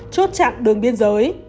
chốt chặn đường biên giới